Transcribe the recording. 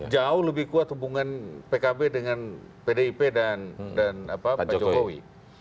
jauh lebih kuat hubungan pkb dengan pdip dan pak jokowi